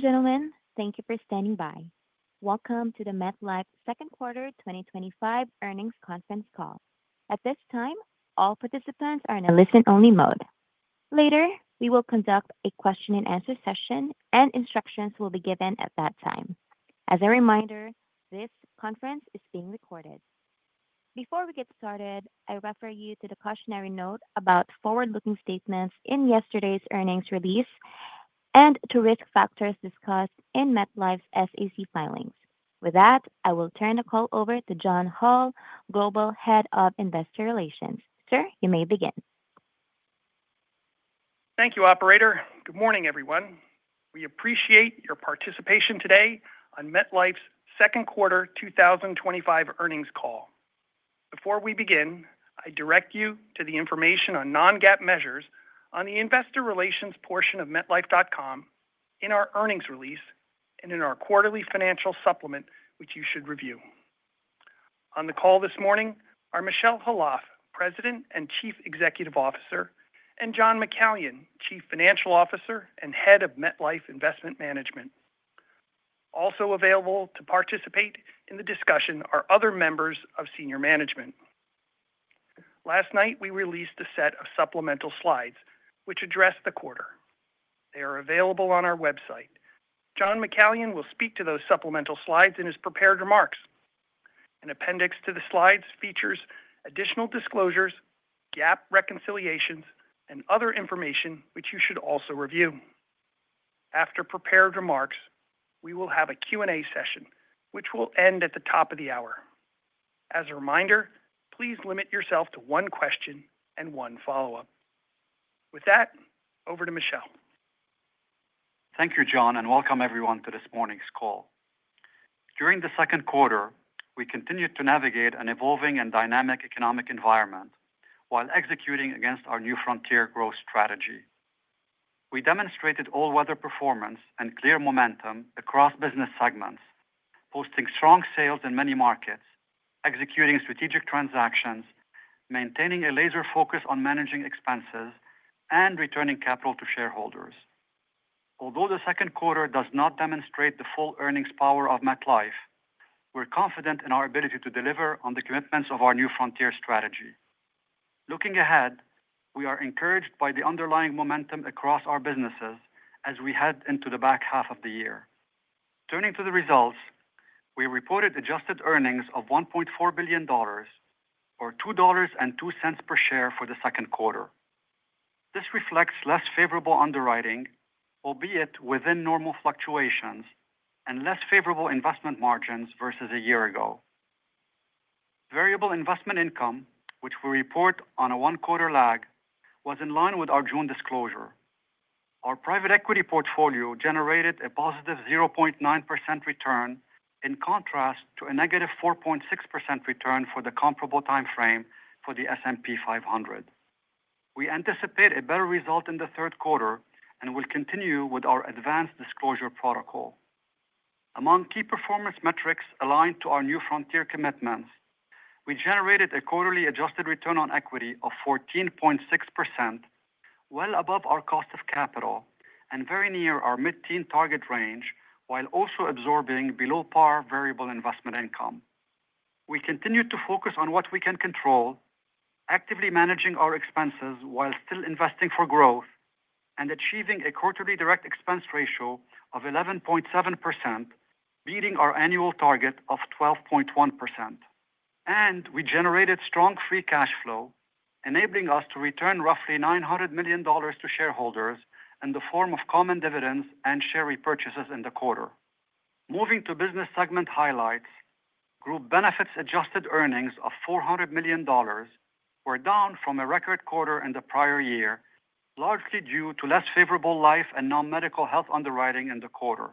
Ladies and gentlemen, thank you for standing by. Welcome to the MetLife second quarter 2025 earnings conference call. At this time, all participants are in a listen only mode. Later we will conduct a question and answer session, and instructions will be given at that time. As a reminder, this conference is being recorded. Before we get started, I refer you to the cautionary note about forward looking statements in yesterday's earnings release and to risk factors discussed in MetLife's SEC filings. With that, I will turn the call over to John Hall, Global Head of Investor Relations. Sir, you may begin. Thank you, Operator. Good morning everyone. We appreciate your participation today on MetLife's second quarter 2025 earnings call. Before we begin, I direct you to the information on non-GAAP measures on the investor relations portion of metlife.com in our earnings release and in our quarterly financial supplement, which you should review. On the call this morning are Michel Khalaf, President and Chief Executive Officer, and John McCallion, Chief Financial Officer and Head of MetLife Investment Management. Also available to participate in the discussion are other members of senior management. Last night we released a set of supplemental slides which address the quarter. They are available on our website. John McCallion will speak to those supplemental slides in his prepared remarks. An appendix to the slides features additional disclosures, GAAP reconciliations, and other information which you should also review. After prepared remarks, we will have a Q&A session which will end at the top of the hour. As a reminder, please limit yourself to one question and one follow-up. With that, over to Michel. Thank you, John, and welcome everyone to this morning's call. During the second quarter, we continued to navigate an evolving and dynamic economic environment. While executing against our New Frontier growth strategy, we demonstrated all-weather performance and clear momentum across business segments, posting strong sales in many markets, executing strategic transactions, maintaining a laser focus on managing expenses, and returning capital to shareholders. Although the second quarter does not demonstrate the full earnings power of MetLife, we're confident in our ability to deliver on the commitments of our New Frontier strategy. Looking ahead, we are encouraged by the underlying momentum across our businesses as we head into the back half of the year. Turning to the results, we reported adjusted earnings of $1.4 billion, or $2.02 per share, for the second quarter. This reflects less favorable underwriting, albeit within normal fluctuations, and less favorable investment margins versus a year ago. Variable investment income, which we report on a one-quarter lag, was in line with our June disclosure. Our private equity portfolio generated a +0.9% return in contrast to a -4.6% return for the comparable time frame for the S&P 500. We anticipate a better result in the third quarter and will continue with our advanced disclosure protocol. Among key performance metrics aligned to our New Frontier commitments, we generated a quarterly adjusted return on equity of 14.6%, well above our cost of capital and very near our mid-teen target range, while also absorbing below-par variable investment income. We continue to focus on what we can control, actively managing our expenses while still investing for growth and achieving a quarterly direct expense ratio of 11.7%, beating our annual target of 12.1%. We generated strong free cash flow, enabling us to return roughly $900 million to shareholders in the form of common dividends and share repurchases in the quarter. Moving to Business Segment Highlights, Group Benefits adjusted earnings of $400 million were down from a record quarter in the prior year, largely due to less favorable life and non-medical health underwriting in the quarter.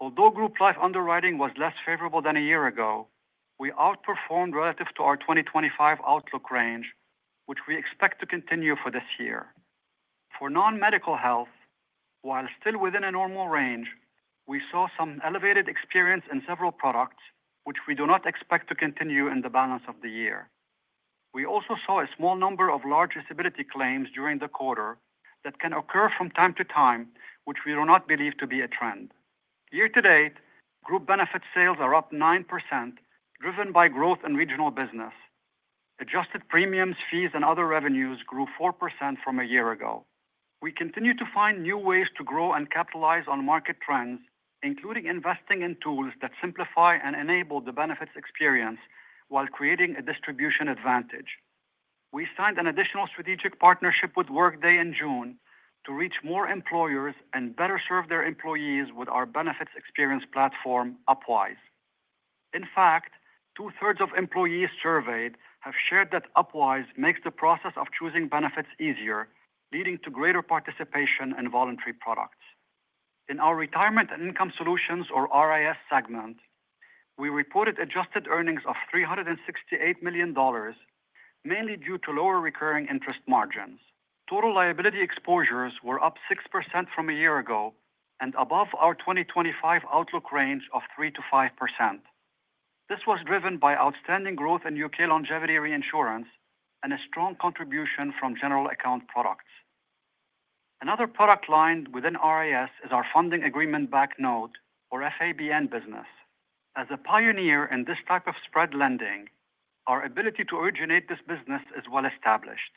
Although group life underwriting was less favorable than a year ago, we outperformed relative to our 2025 outlook range, which we expect to continue for this year. For non-medical health, while still within a normal range, we saw some elevated experience in several products, which we do not expect to continue in the balance of the year. We also saw a small number of large disability claims during the quarter that can occur from time to time, which we do not believe to be a trend. Year to date, group benefit sales are up 9% driven by growth in regional business. Adjusted premiums, fees, and other revenues grew 4% from a year ago. We continue to find new ways to grow and capitalize on market trends, including investing in tools that simplify and enable the benefits experience while creating a distribution advantage. We signed an additional strategic partnership with Workday in June to reach more employers and better serve their employees with our benefits experience platform Upwise. In fact, two thirds of employees surveyed have shared that Upwise makes the process of choosing benefits easier, leading to greater participation in voluntary products. In our Retirement and Income Solutions or RIS segment, we reported adjusted earnings of $368 million mainly due to lower recurring interest margins. Total liability exposures were up 6% from a year ago and above our 2025 outlook range of 3%-5%. This was driven by outstanding growth in U.K. longevity reinsurance and a strong contribution from general account products. Another product line within RIS is our funding agreement-backed note or FABN business. As a pioneer in this type of spread lending, our ability to originate this business is well established.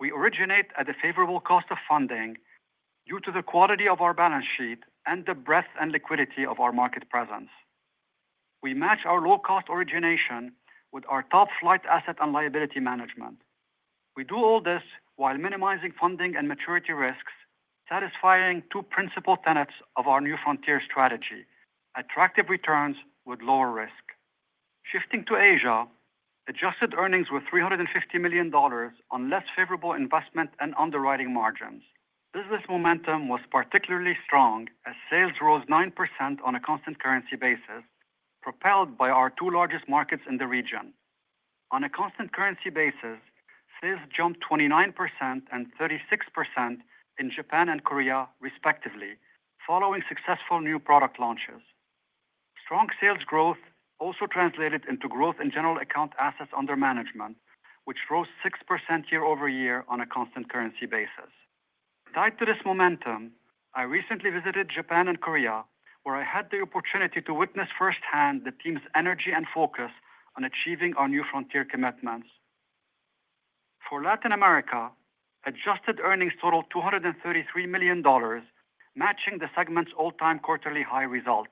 We originate at a favorable cost of funding due to the quality of our balance sheet and the breadth and liquidity of our market presence. We match our low-cost origination with our top-flight asset and liability management. We do all this while minimizing funding and maturity risks, satisfying two principal tenets of our New Frontier strategy: attractive returns with lower risk. Shifting to Asia, adjusted earnings were $350 million on less favorable investment and underwriting margins. Business momentum was particularly strong as sales rose 9% on a constant currency basis, propelled by our two largest markets in the region. On a constant currency basis, sales jumped 29% and 36% in Japan and Korea respectively, following successful new product launches. Strong sales growth also translated into growth in general account assets under management, which rose 6% year over year on a constant currency basis. Tied to this momentum, I recently visited Japan and Korea where I had the opportunity to witness firsthand the team's energy and focus on achieving our New Frontier commitments for Latin America. Adjusted earnings totaled $233 million, matching the segment's all-time quarterly high result.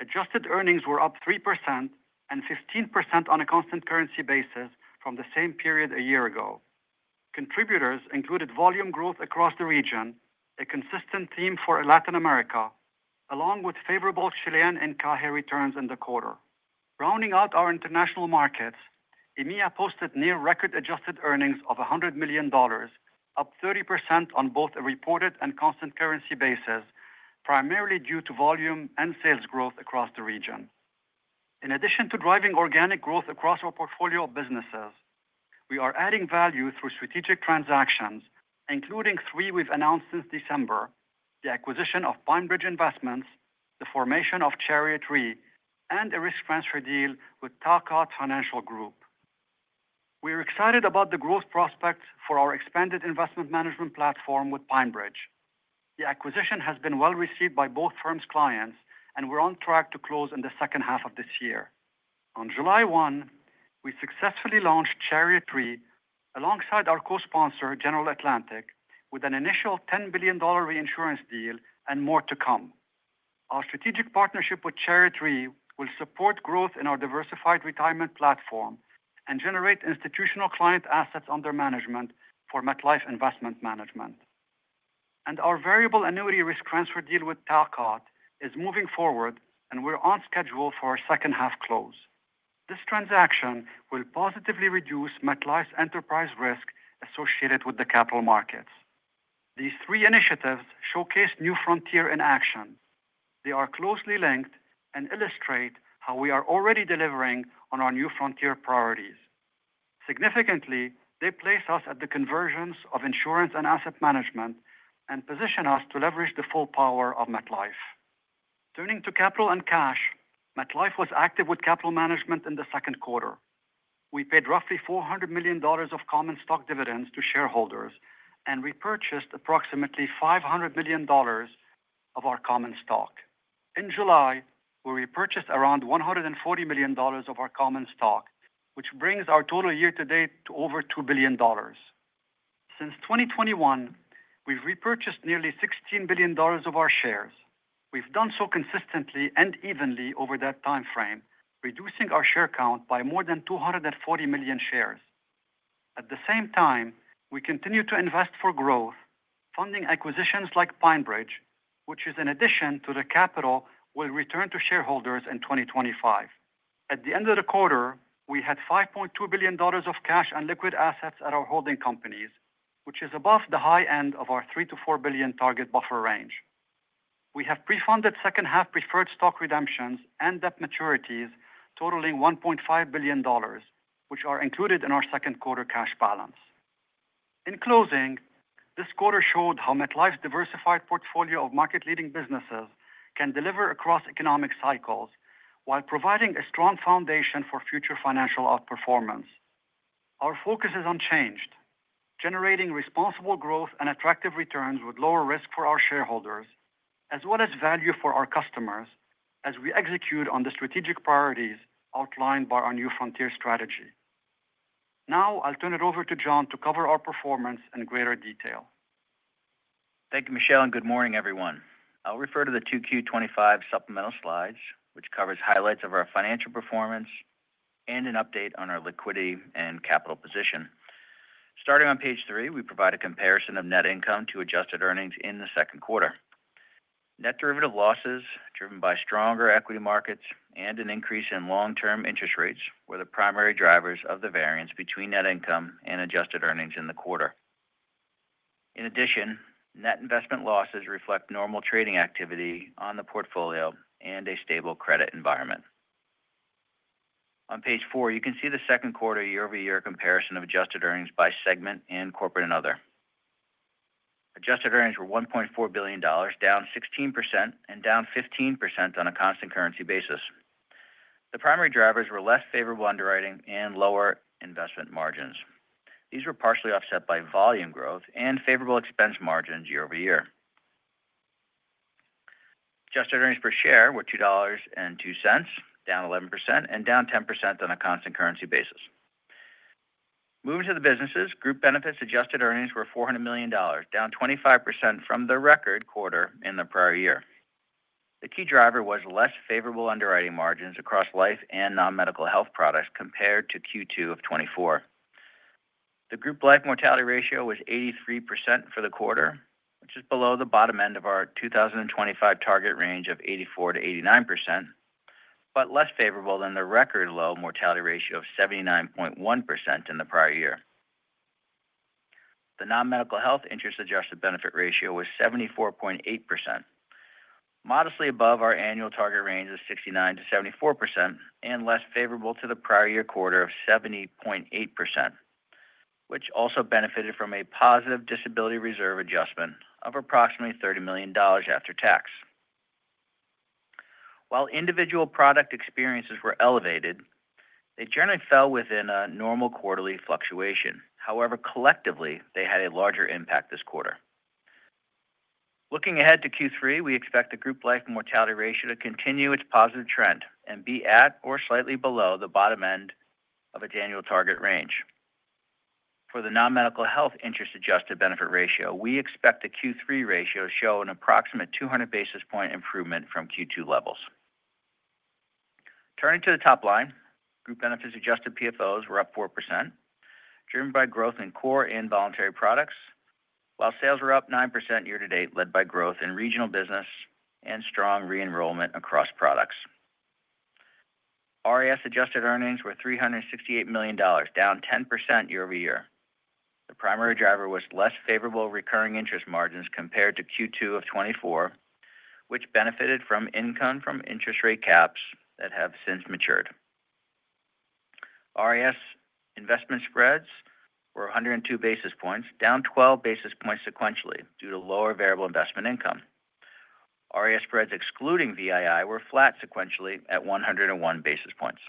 Adjusted earnings were up 3% and 15% on a constant currency basis from the same period a year ago. Contributors included volume growth across the region, a consistent theme for Latin America, along with favorable Chilean and CAJE returns in the quarter. Rounding out our international markets, EMEA posted near-record adjusted earnings of $100 million, up 30% on both a reported and constant currency basis, primarily due to volume and sales growth across the region. In addition to driving organic growth across our portfolio of businesses, we are adding value through strategic transactions, including three we've announced since December: the acquisition of PineBridge Investments, the formation of Chariot Re, and a risk transfer deal with Talcott Financial Group. We are excited about the growth prospects for our expanded investment management platform with PineBridge. The acquisition has been well received by both firms' clients and we're on track to close in the second half of this year. On July 1, we successfully launched Chariot Re alongside our co-sponsor General Atlantic with an initial $10 billion reinsurance deal and more to come. Our strategic partnership with Chariot Re will support growth in our diversified retirement platform and generate institutional client assets under management for MetLife Investment Management, and our variable annuity risk transfer deal with Talcott is moving forward and we're on schedule for a second half close. This transaction will positively reduce MetLife's enterprise risk associated with the capital markets. These three initiatives showcase New Frontier in action. They are closely linked and illustrate how we are already delivering on our New Frontier priorities. Significantly, they place us at the convergence of insurance and asset management and position us to leverage the full power of MetLife. Turning to capital and cash, MetLife was active with capital management. In the second quarter, we paid roughly $400 million of common stock dividends to shareholders and repurchased approximately $500 million of our common stock. In July, we repurchased around $140 million of our common stock, which brings our total year to date to over $2 billion. Since 2021, we've repurchased nearly $16 billion of our shares. We've done so consistently and evenly over that time frame, reducing our share count by more than 240 million shares. At the same time, we continue to invest for growth. Funding acquisitions like PineBridge, which is in addition to the capital, will return to shareholders in 2025. At the end of the quarter, we had $5.2 billion of cash and liquid assets at our holding companies, which is above the high end of our $3 billion-$4 billion target buffer range. We have pre-funded second half preferred stock redemptions and debt maturities totaling $1.5 billion, which are included in our second quarter cash balance. In closing, this quarter showed how MetLife's diversified portfolio of market-leading businesses can deliver across economic cycles while providing a strong foundation for future financial outperformance. Our focus is unchanged, generating responsible growth and attractive returns with lower risk for our shareholders as well as value for our customers as we execute on the strategic priorities outlined by our New Frontier strategy. Now I'll turn it over to John to cover our performance in greater detail. Thank you, Michel, and good morning, everyone. I'll refer to the two Q2 2025 supplemental slides which cover highlights of our financial performance and an update on our liquidity and capital position. Starting on page three, we provide a comparison of net income to adjusted earnings in the second quarter. Net derivative losses driven by stronger equity markets and an increase in long-term interest rates were the primary drivers of the variance between net income and adjusted earnings in the quarter. In addition, net investment losses reflect normal trading activity on the portfolio and a stable credit environment. On page four, you can see the second quarter year-over-year comparison of adjusted earnings by segment and corporate and other. Adjusted earnings were $1.4 billion, down 16% and down 15% on a constant currency basis. The primary drivers were less favorable underwriting and lower investment margins. These were partially offset by volume growth and favorable expense margins year-over-year. Adjusted earnings per share were $2.02, down 11% and down 10% on a constant currency basis. Moving to the businesses, group benefits adjusted earnings were $400 million, down 25% from the record quarter in the prior year. The key driver was less favorable underwriting margins across life and non-medical health products compared to Q2 2024. The group life mortality ratio was 83% for the quarter, which is below the bottom end of our 2025 target range of 84%-89% but less favorable than the record low mortality ratio of 79.1% in the prior year. The non-medical health interest adjusted benefit ratio was 74.8%, modestly above our annual target range of 69%-74% and less favorable to the prior year quarter of 70.8%, which also benefited from a positive disability reserve adjustment of approximately $30 million after tax. While individual product experiences were elevated, they generally fell within a normal quarterly fluctuation. However, collectively they had a larger impact this quarter. Looking ahead to Q3, we expect the group life mortality ratio to continue its positive trend and be at or slightly below the bottom end of its annual target range. For the non-medical health interest adjusted benefit ratio, we expect the Q3 ratio to show an approximate 200 basis point improvement from Q2. Turning to the top line, group benefits adjusted PFOs were up 4%, driven by growth in core and voluntary products. While sales were up 9% year to date, led by growth in regional business and strong re-enrollment across products. RIS adjusted earnings were $368 million, down 10% year over year. The primary driver was less favorable recurring interest margins compared to Q2 2024, which benefited from income from interest rate caps that have since matured. RIS investment spreads were 102 basis points, down 12 basis points sequentially due to lower variable investment income. RIS spreads excluding VII were flat sequentially at 101 basis points.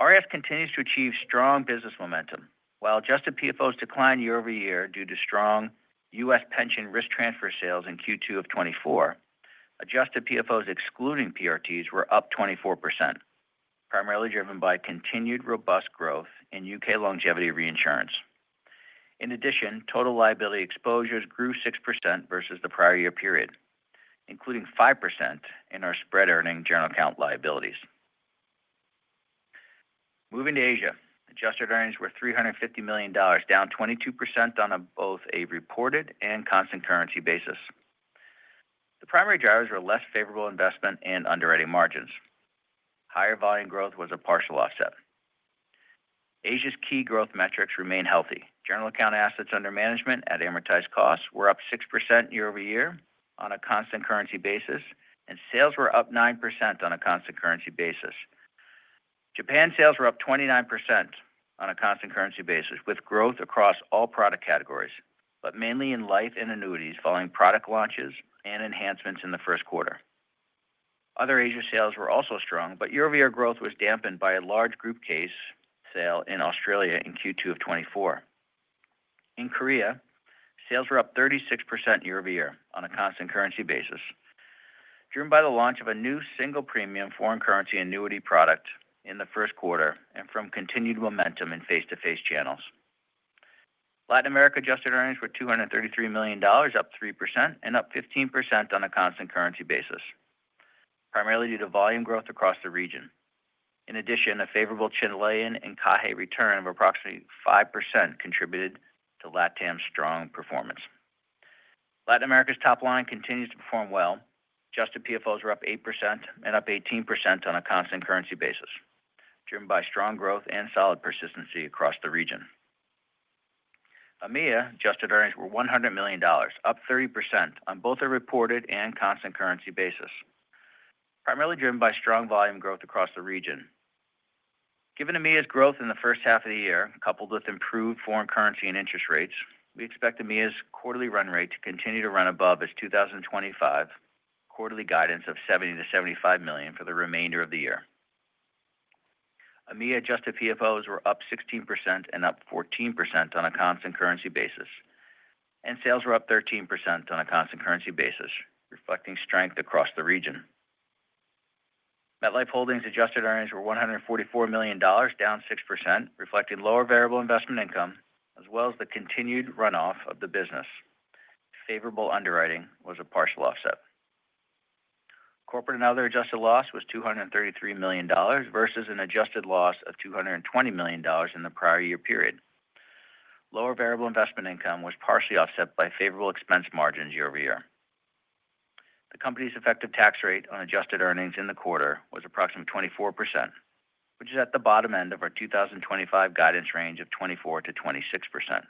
RIS continues to achieve strong business momentum while adjusted PFOs declined year over year due to strong U.S. pension risk transfer. Sales in Q2 2024, adjusted PFOs excluding PRTs, were up 24%, primarily driven by continued robust growth in U.K. longevity reinsurance. In addition, total liability exposures grew 6% versus the prior year period, including 5% in our spread earning general account liabilities. Moving to Asia, adjusted earnings were $350 million, down 22% on both a reported and constant currency basis. The primary drivers were less favorable investment and underwriting margins. Higher volume growth was a partial offset. Asia's key growth metrics remain healthy. General account assets under management at amortized cost were up 6% year over year on a constant currency basis, and sales were up 9% on a constant currency basis. Japan sales were up 29% on a constant currency basis, with growth across all product categories but mainly in life and annuities following product launches and enhancements in the first quarter. Other Asia sales were also strong, but year over year growth was dampened by a large group case sale in Australia in Q2 2024. In Korea, sales were up 36% year over year on a constant currency basis, driven by the launch of a new single premium foreign currency annuity product in the first quarter and from continued momentum in face-to-face channels. Latin America adjusted earnings were $233 million, up 3% and up 15% on a constant currency basis, primarily due to volume growth across the region. In addition, a favorable Chilean and CAJE return of approximately 5% contributed to Latin America's strong performance. Latin America's top line continues to perform well. Adjusted PFOs were up 8% and up 18% on a constant currency basis, driven by strong growth and solid persistency across the region. EMEA adjusted earnings were $100 million, up 30% on both a reported and constant currency basis, primarily driven by strong volume growth across the region. Given EMEA's growth in the first half of the year, coupled with improved foreign currency and interest rates, we expect EMEA's quarterly run rate to continue to run above its 2025 quarterly guidance of $70 million-$75 million for the remainder of the year. EMEA adjusted PFOs were up 16% and up 14% on a constant currency basis, and sales were up 13% on a constant currency basis, reflecting strength across the region. MetLife Holdings adjusted earnings were $144 million, down 6%, reflecting lower variable investment income as well as the continued runoff of the business. Favorable underwriting was a partial offset. Corporate and Other adjusted loss was $233 million versus an adjusted loss of $220 million in the prior year period. Lower variable investment income was partially offset by favorable expense margins year over year. The company's effective tax rate on adjusted earnings in the quarter was approximately 24%, which is at the bottom end of our 2025 guidance range of 24%-26%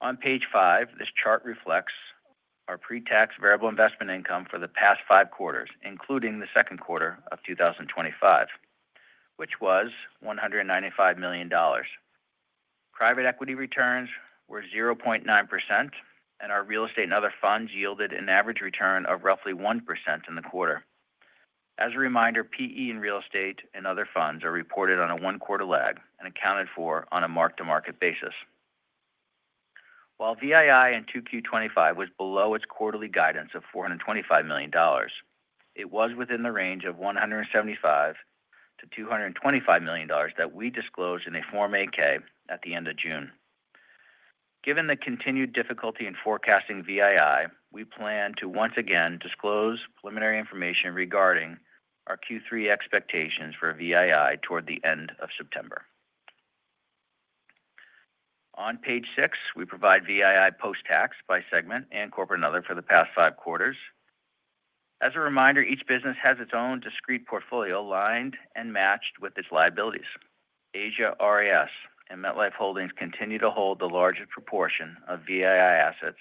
on page 5. This chart reflects our pre-tax variable investment income for the past five quarters, including the second quarter of 2025, which was $195 million. Private equity returns were 0.9%, and our real estate and other funds yielded an average return of roughly 1% in the quarter. As a reminder, PE in real estate and other funds are reported on a one-quarter lag and accounted for on a mark-to-market basis. While VII in 2Q 2025 was below its quarterly guidance of $425 million, it was within the range of $175 million-$225 million that we disclosed in a Form 8-K at the end of June. Given the continued difficulty in forecasting VII, we plan to once again disclose preliminary information regarding our Q3 expectations for VII toward the end of September. On page six, we provide VII post-tax by segment and Corporate and Other for the past five quarters. As a reminder, each business has its own discrete portfolio lined and matched with its liabilities. Asia, RIS, and MetLife Holdings continue to hold the largest proportion of VII assets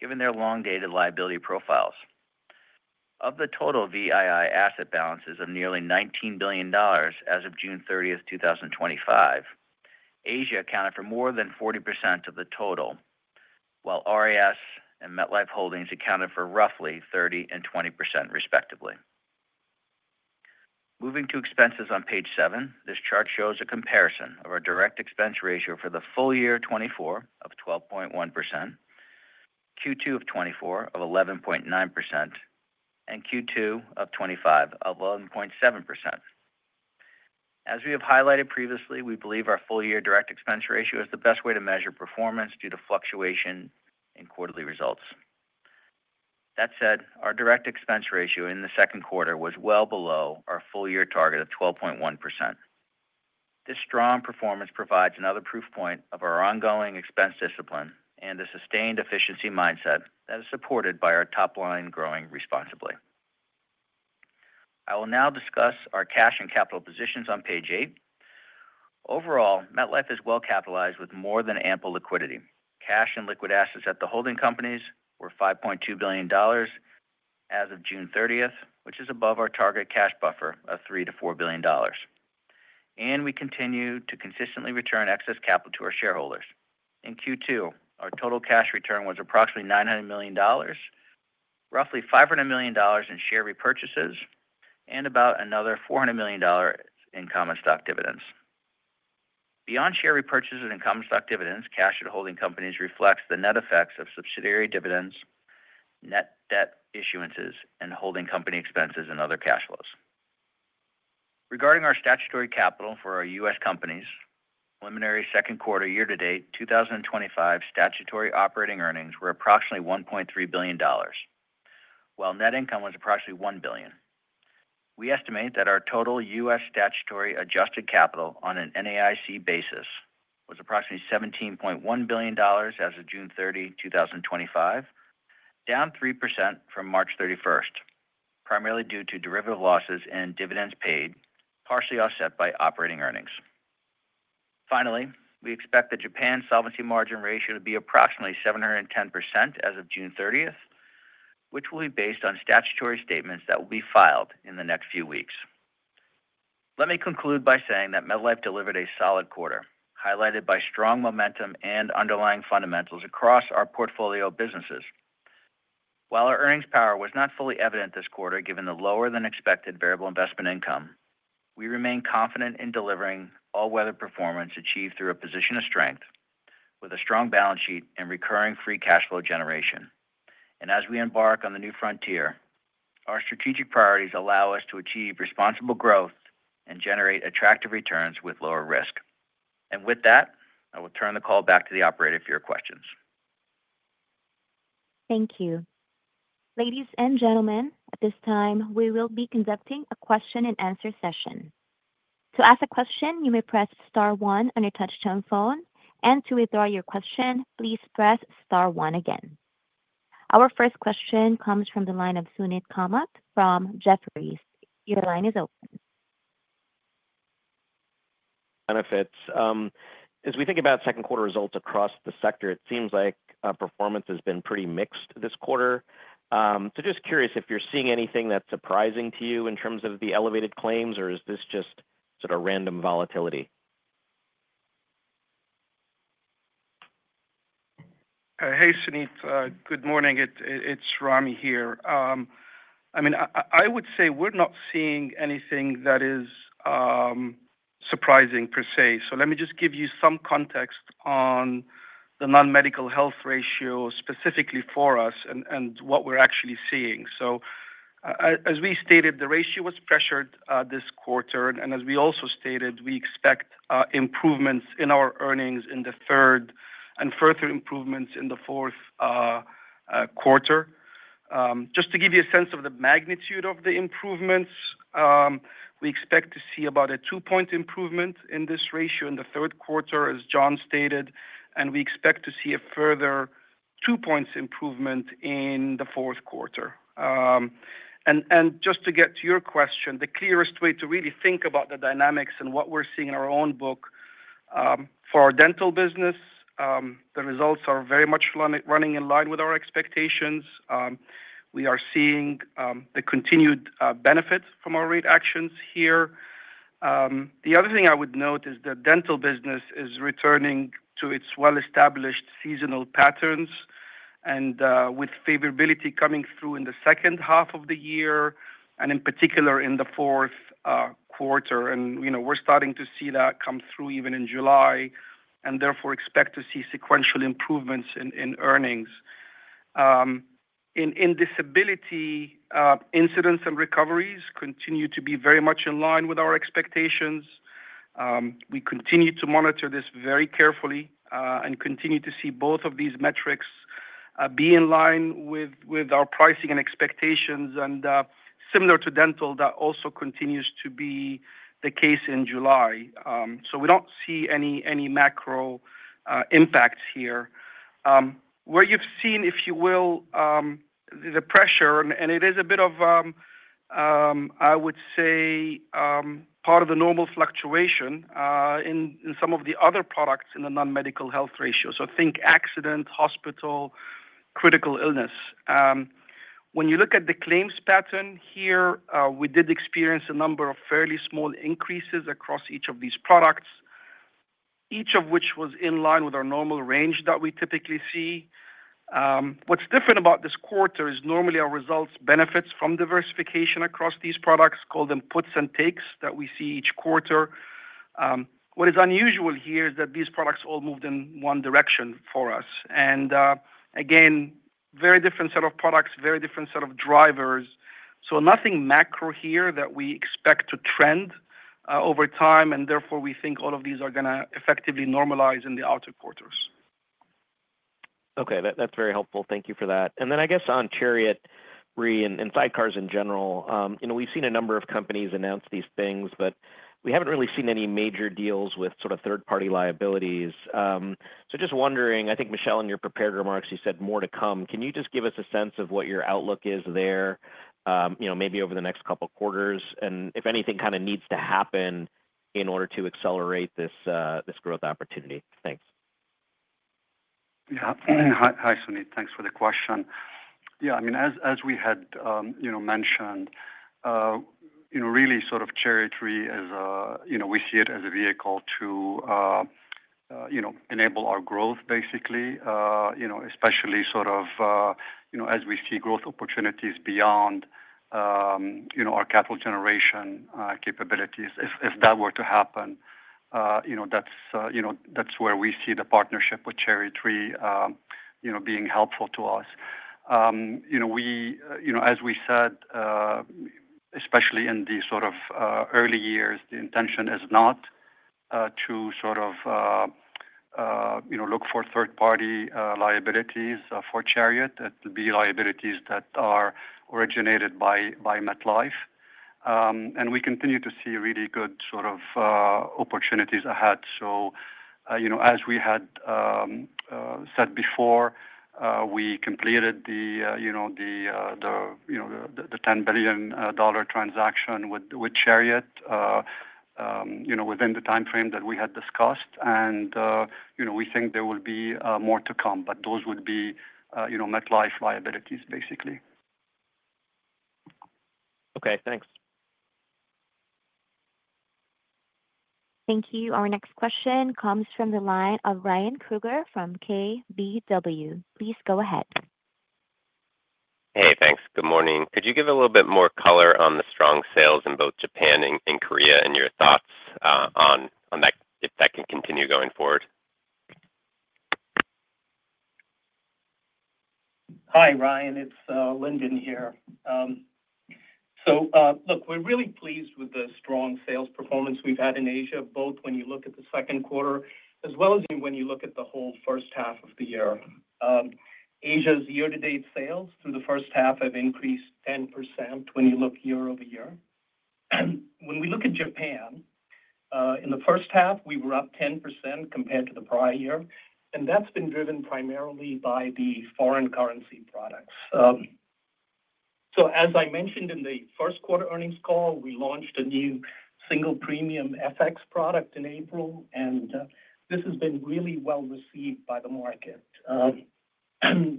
given their long-dated liability profiles. Of the total VII asset balances of nearly $19 billion as of June 30, 2025, Asia accounted for more than 40% of the total, while RIS and MetLife Holdings accounted for roughly 30% and 20%, respectively. Moving to expenses on page 7, this chart shows a comparison of our direct expense ratio for the full year 2024 of 12.1%, Q2 2024 of 11.9%, and Q2 2025 of 11.7%. As we have highlighted previously, we believe our full year direct expense ratio is the best way to measure performance due to fluctuation in quarterly results. That said, our direct expense ratio in the second quarter was well below our full year target of 12.1%. This strong performance provides another proof point of our ongoing expense discipline and the sustained efficiency mindset that is supported by our top line growing responsibly. I will now discuss our cash and capital positions on page 8. Overall, MetLife is well capitalized with more than ample liquidity. Cash and liquid assets at the holding companies were $5.2 billion as of June 30, which is above our target cash buffer of $3 billion-$4 billion, and we continue to consistently return excess capital to our shareholders. In Q2, our total cash return was approximately $900 million, roughly $500 million in share repurchases and about another $400 million in common stock dividends. Beyond share repurchases and common stock dividends, cash at holding companies reflects the net effects of subsidiary dividends, net debt issuances and holding company expenses, and other cash flows. Regarding our statutory capital for our U.S. companies, preliminary second quarter year to date 2025 statutory operating earnings were approximately $1.3 billion, while net income was approximately $1 billion. We estimate that our total U.S. statutory adjusted capital on an NAIC basis was approximately $17.1 billion as of June 30, 2025, down 3% from March 31, primarily due to derivative losses and dividends paid, partially offset by operating earnings. Finally, we expect the Japan solvency margin ratio to be approximately 710% as of June 30, which will be based on statutory statements that will be filed in the next few weeks. Let me conclude by saying that MetLife delivered a solid quarter highlighted by strong momentum and underlying fundamentals across our portfolio of businesses. While our earnings power was not fully evident this quarter, given the lower than expected variable investment income, we remain confident in delivering all weather performance achieved through a position of strength with a strong balance sheet and recurring free cash flow generation. As we embark on the New Frontier, our strategic priorities allow us to achieve responsible growth and generate attractive returns with lower risk. With that, I will turn the call back to the Operator for your questions. Thank you, ladies and gentlemen. At this time, we will be conducting a question and answer session. To ask a question, you may press star one on your touchtone phone, and to withdraw your question, please press star one again. Our first question comes from the line of Suneet Kamath from Jefferies. Your line is open. Benefits. As we think about second quarter results. Across the sector, it seems like performance. Has been pretty mixed this quarterI'm just curious if you're seeing anything. That's surprising to you in terms of the elevated claims, or is this just. Sort of random volatility? Hey Suneet, good morning, it's Ramy here. I mean I would say we're not seeing anything that is surprising per se. Let me just give you some context on the non-medical health ratio specifically for us and what we're actually seeing. As we stated, the ratio was pressured this quarter and as we also stated, we expect improvements in our earnings in the third and further improvements in the fourth quarter. Just to give you a sense of the magnitude of the improvements, we expect to see about a 2 point improvement in this ratio in the third quarter as John stated, and we expect to see a further 2 points improvement in the fourth quarter. To get to your question, the clearest way to really think about the dynamics and what we're seeing in our own book for our dental business, the results are very much running in line with our expectations. We are seeing the continued benefits from our rate actions here. The other thing I would note is the dental business is returning to its well-established seasonal patterns with favorability coming through in the second half of the year and in particular in the fourth quarter. We're starting to see that come through even in July and therefore expect to see sequential improvements in earnings. Disability incidents and recoveries continue to be very much in line with our expectations. We continue to monitor this very carefully and continue to see both of these metrics be in line with our pricing and expectations. Similar to dental, that also continues to be the case in July. We don't see any macro impacts here where you've seen, if you will, the pressure. It is a bit of, I would say, part of the normal fluctuation in some of the other products in the non-medical health ratio. Think accident, hospital, critical illness. When you look at the claims pattern here, we did experience a number of fairly small increases across each of these products, each of which was in line with our normal range that we typically see. What's different about this quarter is normally our results benefit from diversification across these products, call them puts and takes that we see each quarter. What is unusual here is that these products all moved in one direction for us and again, very different set of products, very different set of drivers. Nothing macro here that we expect to trend over time and therefore we think all of these are going to effectively normalize in the outer quarters. Okay, that's very helpful. Thank you for that. On Chariot Re and sidecars in general, we've seen a number of companies announce these things. We haven't really seen any major deals with sort of third-party liabilities. I think, Michel, in your prepared remarks, you said more to come. Can you just give us a sense of what your outlook is there, maybe? Over the next couple quarters, and if. Anything needs to happen in order to accelerate this growth opportunity. Thanks. Yeah. Hi Suneet, thanks for the question. Yeah, I mean, as we had mentioned, really sort of Chariot Re as, you know, we see it as a vehicle to enable our growth basically, especially as we see growth opportunities beyond our capital generation capabilities. If that were to happen, that's where we see the partnership with Chariot Re being helpful to us. As we said, especially in the early years, the intention is not to look for third party liabilities for Chariot. It'll be liabilities that are originated by MetLife and we continue to see really good opportunities ahead. As we had said before, we completed the $10 billion transaction with Chariot within the time frame that we had discussed. We think there will be more to come, but those would be MetLife liabilities, basically. Okay, thanks. Thank you. Our next question comes from the line of Ryan Krueger from KBW. Please go ahead. Hey, thanks. Good morning. Could you give a little bit more color on the strong sales in both Japan and Korea, and your thoughts on if that can continue going forward? Hi, Ryan, it's Lyndon here. Look, we're really pleased with the strong sales performance we've had in Asia, both when you look at the second quarter as well as when you look at the whole first half of the year. Asia's year to date sales through the first half have increased 10% when you look year over year. When we look at Japan in the first half, we were up 10% compared to the prior year. That's been driven primarily by the foreign currency products. As I mentioned in the first quarter earnings call, we launched a new single premium FX product in April, and this has been really well received by the market.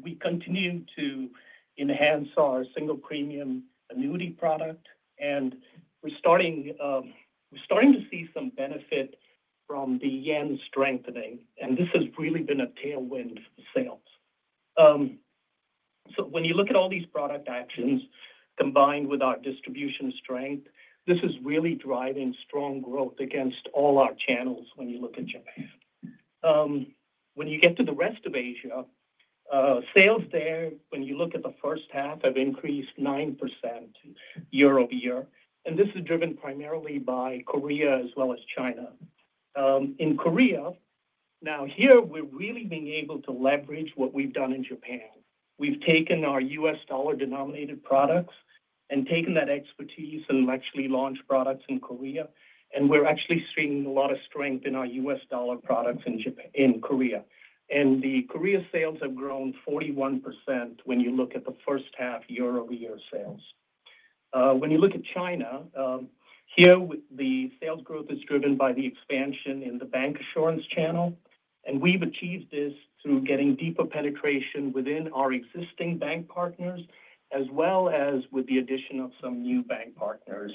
We continue to enhance our single premium annuity product. We're starting to see. Some benefit from the yen strengthening. This has really been a tailwind for sales. When you look at all these product actions combined with our distribution strength, this is really driving strong growth across all our channels. When you look at Japan, and when you get to the rest of Asia, sales there, when you look at the first half, have increased 9% year over year. This is driven primarily by Korea as well as China. In Korea, we're really being able to leverage what we've done in Japan. We've taken our U.S. dollar-denominated products and taken that expertise and actually launched products in Korea. We're actually seeing a lot of strength in our U.S. dollar products in Korea, and the Korea sales have grown 41% when you look at the first half year over year sales. When you look at China, the sales growth is driven by the expansion in the bancassurance channel. We've achieved this through getting deeper penetration within our existing bank partners as well as with the addition of some new bank partners.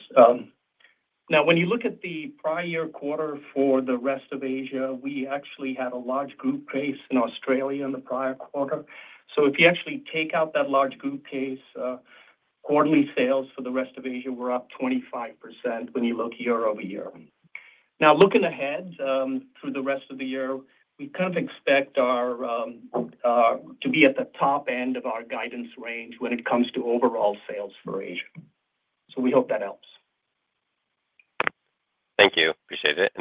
When you look at the prior year quarter for the rest of Asia, we actually had a large group case in Australia in the prior quarter. If you take out that large group case, quarterly sales for the rest of Asia were up 25% year over year. Looking ahead through the rest of the year, we expect to be at the top end of our guidance range when it comes to overall sales for Asia. We hope that helps. Thank you, appreciate it.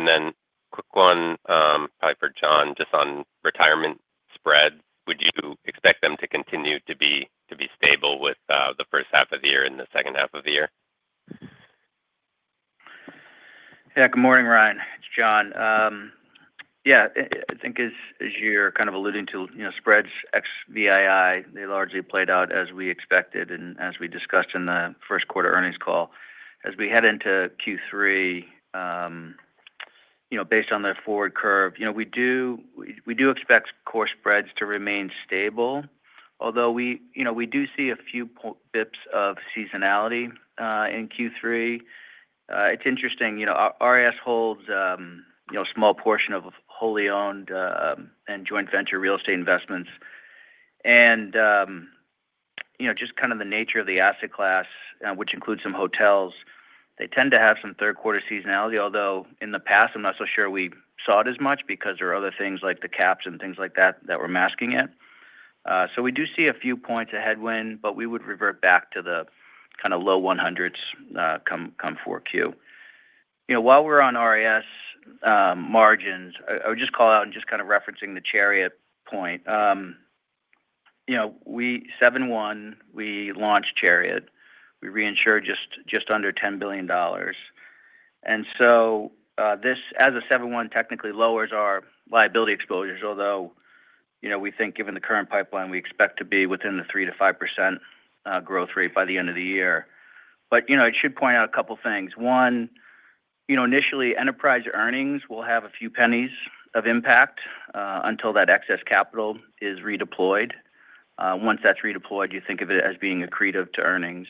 Quick one for John just on retirement spread. Would you expect them to continue to be stable with the first half of the year and the second half of the year? Yeah, good morning Ryan, it's John. I think as you're kind of alluding to, you know, spreads ex VIII, they largely played out as we expected and as we discussed in the first quarter earnings call. As we head into Q3, based on the forward curve, we do expect core spreads to remain stable although we do see a few bps of seasonality in Q3. It's interesting, RIS holds a small portion of wholly owned and joint venture real estate investments and just kind of the nature of the asset class, which includes some hotels, they tend to have some third quarter seasonality. Although in the past I'm not so sure we saw it as much because there are other things like the caps and things like that that were masking it. We do see a few points of headwind but we would revert back to the kind of low 100s come 4Q. While we're on RIS margins I would just call out and just kind of referencing the Chariot point. On 7/1 we launched Chariot, we reinsured just under $10 billion. As of 7/1, this technically lowers our liability exposures. Although we think given the current pipeline, we expect to be within the 3%-5% growth rate by the end of the year. It should point out a couple things. One, initially enterprise earnings will have a few pennies of impact until that excess capital is redeployed. Once that's redeployed, you think of it as being accretive to earnings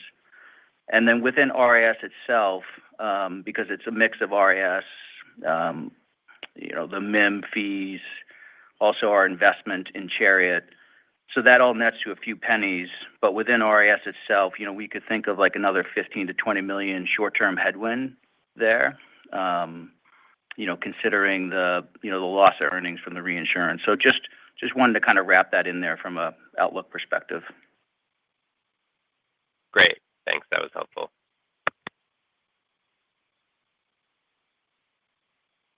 and then within RIS itself because it's a mix of RIS, the MIM fees, also our investment in Chariot. That all nets to a few pennies. Within RIS itself we could think of like another $15 million-$20 million short term headwind there considering the loss of earnings from the reinsurance. Just wanted to kind of wrap that in there from an outlook perspective. Great, thanks. That was helpful.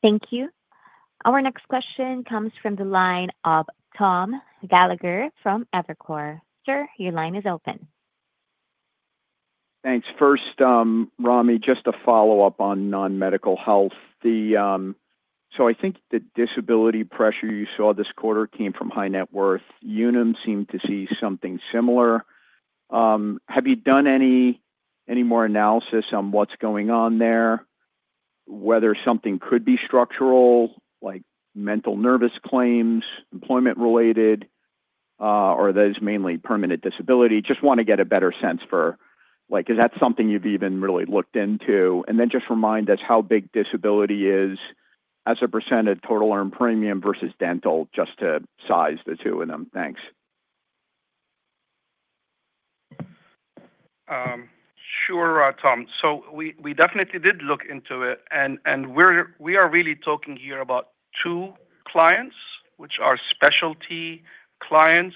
Thank you. Our next question comes from the line of Tom Gallagher from Evercore. Sir, your line is open. Thanks. First, Ramy, just a follow up on non-medical health. I think the disability pressure you saw this quarter came from high net worth. Unum seemed to see something similar. Have you done any more analysis on what's going on there? Whether something could be structural like mental nervous claims, employment related, or those mainly permanent disability? Just want to get a better sense for like is that something you've even really looked into? And then just remind us how big disability is as a precentage of total earned premium versus dental, just to size. The two of them. Thanks. Sure, Tom. We definitely did look into it and we are really talking here about two clients which are specialty clients.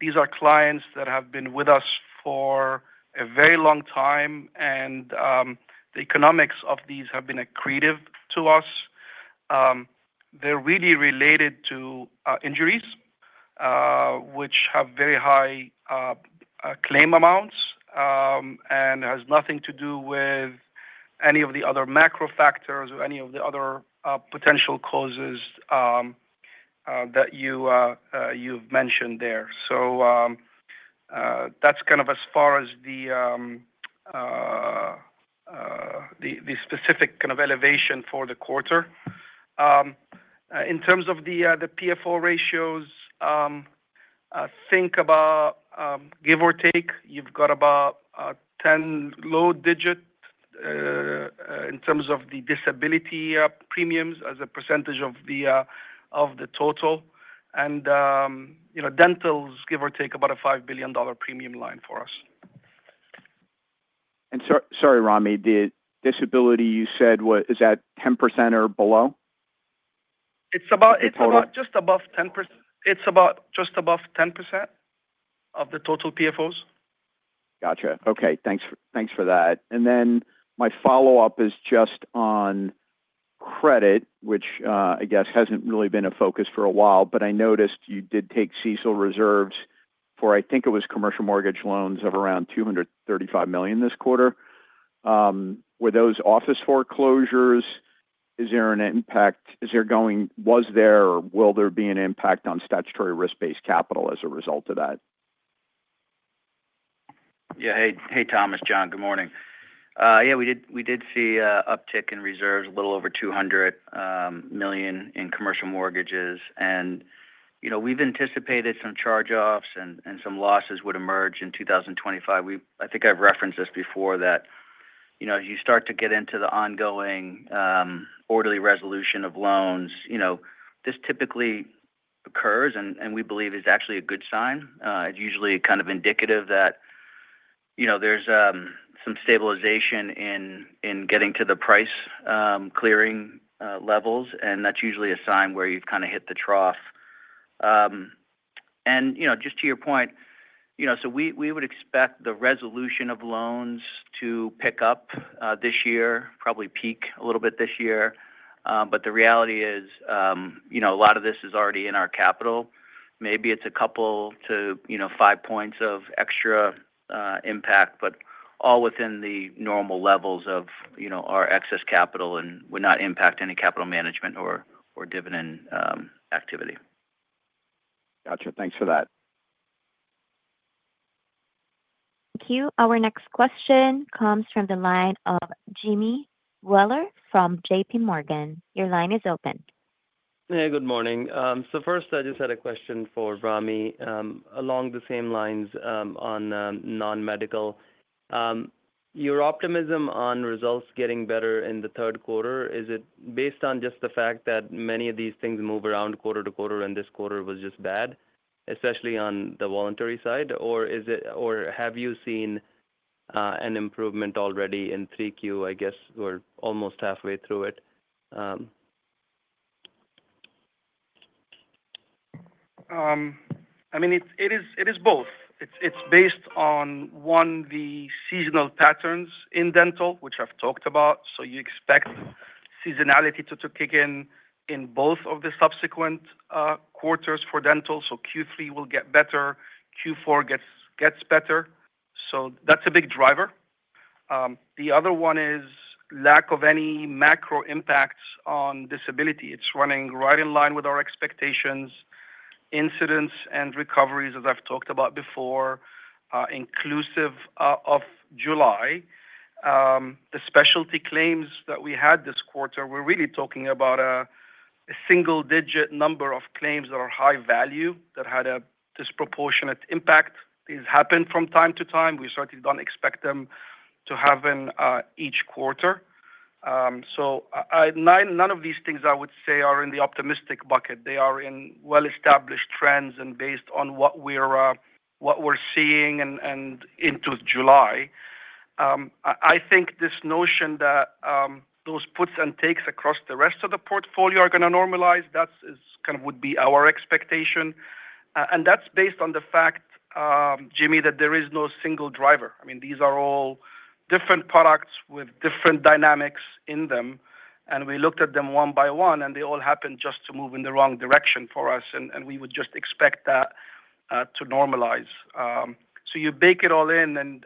These are clients that have been with us for a very long time and the economics of these have been accretive to us. They're really related to injuries which have very high claim amounts and has nothing to do with any of the other macro factors or any of the other potential causes that you mentioned there. That's kind of as far as. The. The specific kind of elevation for the quarter in terms of the PFO ratios. Think about, give or take, you've got about 10% low digit in terms of the disability premiums as a percentage of the total, and dental's, give or take, about a $5 billion premium line for us. Sorry Ramy, the disability you said is at 10% or below. It's just above 10% of the total PFOs. Gotcha. Okay, thanks for that. My follow up is just on credit, which I guess hasn't really been a focus for a while. I noticed you did take CECL reserves for, I think it was commercial mortgage loans of around $235 million this quarter. Were those office foreclosures? Is there an impact, is there going, was there or will there be an impact on statutory risk-based capital as a result of that? Yeah. Hey, Hey, Tom. John, good morning. Yeah, we did see an uptick in reserves, a little over $200 million in commercial mortgages. We've anticipated some charge-offs and some losses would emerge in 2025. I think I've referenced this before that as you start to get into the ongoing orderly resolution of loans, this typically occurs and we believe is actually a good sign. It's usually kind of indicative that there's some stabilization in getting to the price clearing levels and that's usually a sign where you've kind of hit the trough. Just to your point, we would expect the resolution of loans to pick up this year, probably peak a little bit this year. The reality is a lot of this is already in our capital. Maybe it's a couple to five points of extra impact, but all within the normal levels of our excess capital and would not impact any capital management or dividend activity. Gotcha. Thanks for that. Thank you. Our next question comes from the line of Jimmy Bhullar from JPMorgan. Your line is open. Hey, good morning. I just had a question for Ramy along the same lines on non-medical, your optimism on results getting better in the third quarter. Is it based on just the fact that many of these things move around quarter to quarter and this quarter was just bad, especially on the voluntary side, or have you seen an improvement already in 3Q? I guess we're almost halfway through it. It is both. It's based on, one, the seasonal patterns. In dental, which I've talked about. You expect seasonality to kick in in both of the subsequent quarters for dental. Q3 will get better, Q4 gets better. That's a big driver. The other one is lack of any macro impacts on disability. It's running right in line with our expectations. Incidents and recoveries, as I've talked about before, inclusive of July, the specialty claims that we had this quarter, we're really talking about a single digit number of claims that are high value, that had a disproportionate impact. These happen from time to time. We certainly don't expect them to happen each quarter. None of these things I would say are in the optimistic bucket. They are in well established trends. Based on what we're doing, what we're seeing and into July, I think this notion that those puts and takes across the rest of the portfolio are going to normalize, that would be our expectation. That's based on the fact, Jimmy, that there is no single driver. I mean these are all different products with different dynamics in them. We looked at them one by one and they all happened just to move in the wrong direction for us and we would just expect that to normalize. You bake it all in.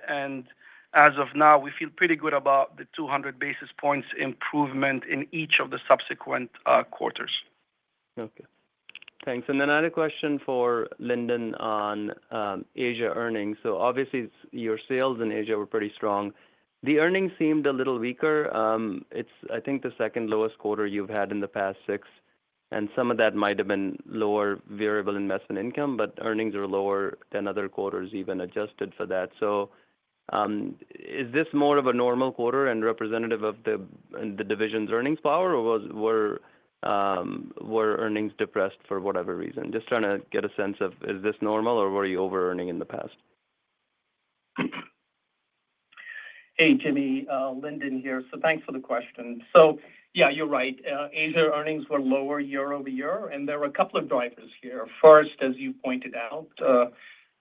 As of now we feel pretty good about the 200 basis points improvement in each of the subsequent quarters. Okay, thanks. I had a question for Lyndon on Asia earnings. Obviously your sales in Asia were pretty strong. The earnings seemed a little weaker. It's, I think, the second lowest quarter you've had in the past six. Some of that might have been lower variable investment income, but earnings are lower than other quarters, even adjusted for that. Is this more of a normal quarter and representative of the division's earnings power or were earnings depressed for whatever reason? Just trying to get a sense of is this normal or were you over earning in the past? Hey, Jimmy, Lyndon here. Thanks for the question. Yeah, you're right. Asia earnings were lower year over year, and there were a couple of drivers here. First, as you pointed out,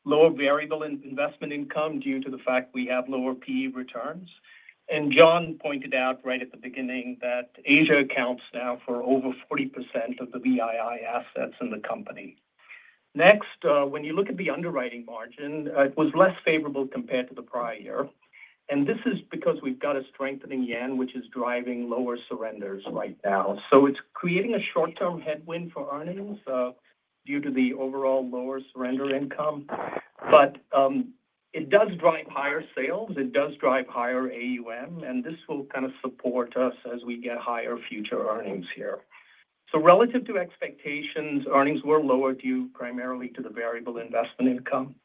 lower variable investment income due to the fact we have lower PE returns. John pointed out right at the beginning that Asia accounts now for over 40% of the BII assets in the company. Next, when you look at the underwriting margin, it was less favorable compared to the prior year. This is because we've got a strengthening yen, which is driving lower surrenders right now. It's creating a short-term headwind for earnings due to the overall lower surrender income. It does drive higher sales, it does drive higher AUM, and this will kind of support us as we get higher future earnings here. Relative to expectations, earnings were lower due primarily to the variable investment income.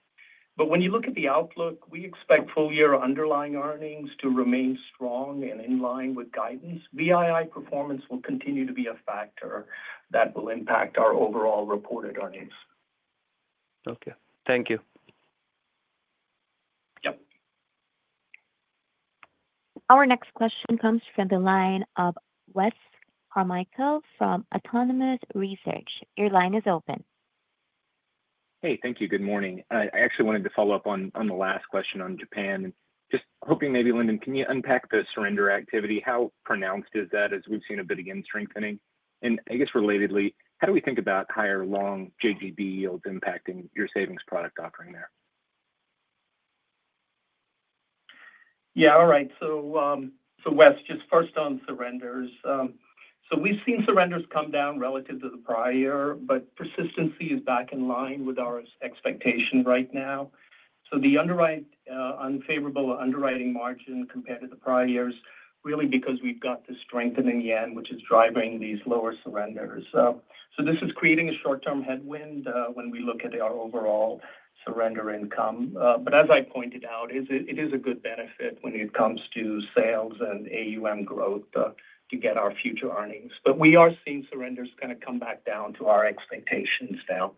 When you look at the outlook, we expect full-year underlying earnings to remain strong and in line with guidance. BII performance will continue to be a factor that will impact our overall reported earnings. Okay, thank you. Our next question comes from the line of Wes Carmichael from Autonomous Research. The line is open. Thank you. Good morning. I actually wanted to follow up on the last question on Japan. Just hoping maybe, Lyndon, can you unpack the surrender activity? How pronounced is that? As we've seen a bit again strengthening, and I guess relatedly, how do we think about higher long JGB yields impacting your savings product offering there? Yeah. All right, Wes, just first on surrenders. We've seen surrenders come down relative to the prior year, but persistency is back in line with our expectation right now. The unfavorable underwriting margin compared to the prior years is really because we've got the strengthening yen, which is driving these lower surrenders. This is creating a short term. Headwind when we look at the overall surrender income. As I pointed out, it is a good benefit when it comes to sales and AUM growth to get our future earnings. We are seeing surrenders kind of. Come back down to our expectations now.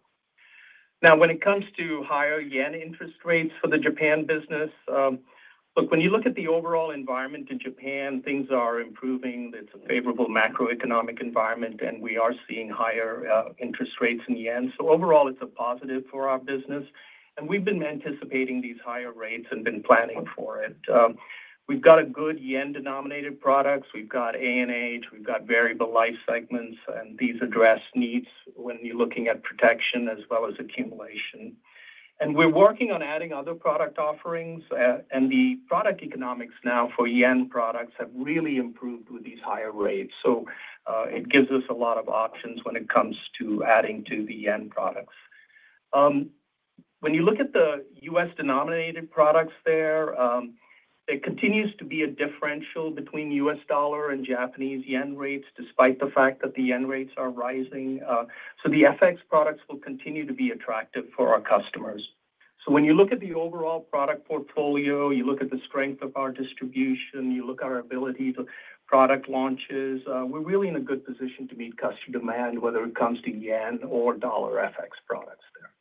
Now when it comes to higher yen interest rates for the Japan business, look, when you look at the overall environment in Japan, things are improving. It's a favorable macroeconomic environment, and we are seeing higher interest rates and yen. Overall, it's a positive for our business. We've been anticipating these higher rates and been planning for it. We've got good yen-denominated products, we've got variable life segments, and these address needs when you're looking at protection as well as accumulation. We're working on adding other product offerings, and the product economics now for yen products have really improved with these higher rates. It gives us a lot of options when it comes to adding to the yen products. When you look at the U.S.-denominated products there, there continues to be a differential between U.S. dollar and Japanese yen rates despite the fact that the yen rates are rising. The FX products will continue to be attractive for our customers. When you look at the overall product portfolio, you look at the strength of our distribution, you look at our ability to product launches, we're really in a good position to meet customer demand whether it comes to yen or dollar FX products there.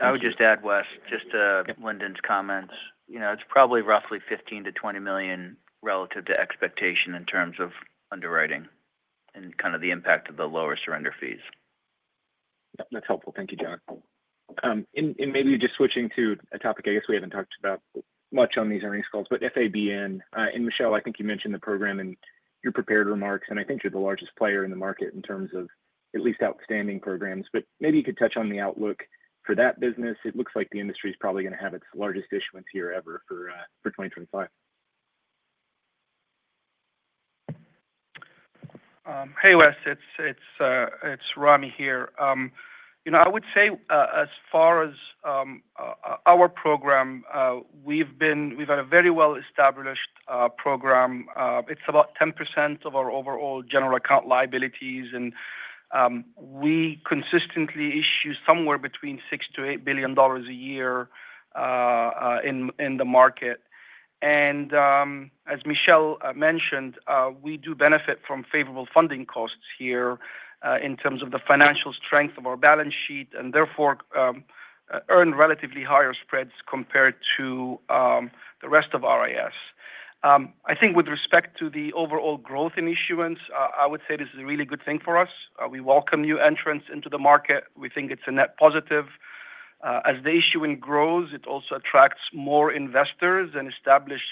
I would just add, Wes, just to Lyndon's comments. You know, it's probably roughly $15 million-$20 million relative to expectation in terms of underwriting and kind of the impact of the lower surrender fees. That's helpful. Thank you, John. Maybe just switching to a topic I guess we haven't talked about much on these earnings calls, but FABN, and Michel, I think you mentioned the program in your prepared remarks. I think you're the largest player in the market in terms of at least outstanding programs. Maybe you could touch on the outlook for that business. It looks like the industry is probably going to have its largest issuance year ever for 2025. Hey Wes, it's Ramy here. I would say as far as our program, we've had a very well established program. It's about 10% of our overall general account liabilities, and we consistently issue somewhere between $6 billion-$8 billion a year in the market. As Michel mentioned, we do benefit from favorable funding costs here in terms of the financial strength of our balance sheet and therefore earn relatively higher spreads compared to the rest of RIS. I think with respect to the overall growth in issuance, I would say this is a really good thing for us. We welcome new entrants into the market. We think it's a net positive as the issuing grows. It also attracts more investors and establishes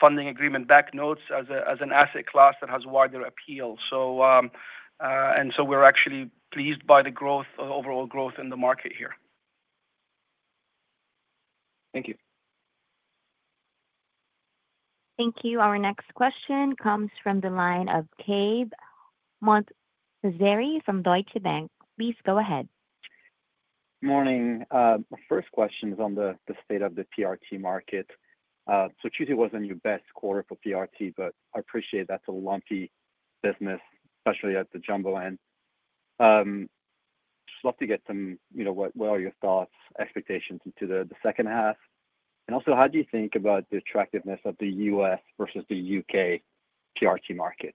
funding agreement-backed notes as an asset class that has wider appeal. We're actually pleased by the. Growth, overall growth in the market here. Thank you. Thank you. Our next question comes from the line of Cave Montazeri from Deutsche Bank. Please go ahead. Morning. First question is on the state of the PRT market. Tuesday wasn't your best quarter for PRT. I appreciate that's a lumpy business, especially at the jumbo end. Just love to get some, you know, what are your thoughts expectations into the. Second half and also how do you. Think about the attractiveness of the U.S. versus the U.K. PRT market?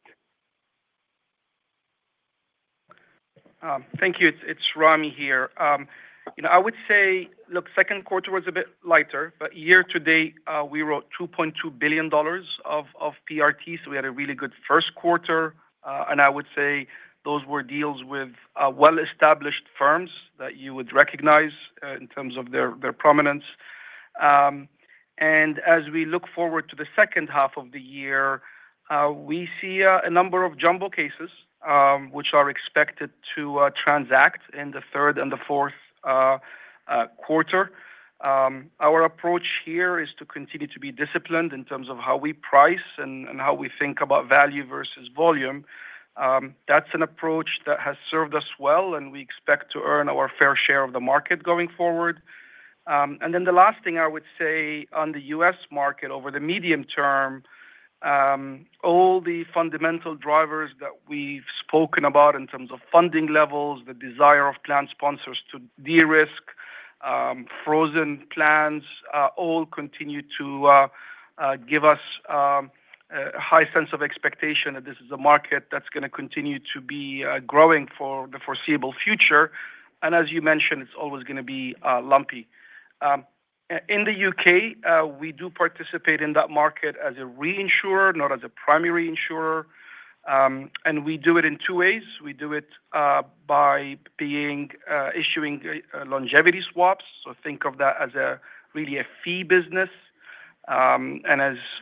Thank you. It's Ramy here. I would say look, second quarter was a bit lighter, but year to date we wrote $2.2 billion of PRT. We had a really good first quarter. I would say those were deals with well established firms that you would recognize in terms of their prominence. As we look forward to the second half of the year, we see a number of jumbo cases which are expected to transact in the third and the fourth quarter. Our approach here is to continue to be disciplined in terms of how we price and how we think about value versus volume. That's an approach that has served us well and we expect to earn our fair share of the market going forward. The last thing I would say on the U.S. market over the medium term, all the fundamental drivers that we've spoken about in terms of funding levels, the desire of plan sponsors to de-risk frozen plans, all continue to give us a high sense of expectation that this is a market that's going to continue to be growing for the foreseeable future. As you mentioned, it's always going to be lumpy. In the U.K. we do participate in that market as a reinsurer, not as a primary insurer. We do it in two ways. We do it by issuing longevity swaps. Think of that as really a fee business and